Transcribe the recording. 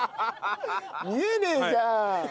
見えねえじゃん！